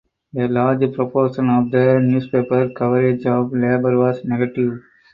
A large proportion of the newspaper coverage of Labour was negative.